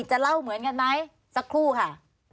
จะเล่าเหมือนกันไหมสักครู่ค่ะ